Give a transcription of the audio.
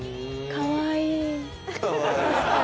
かわいい。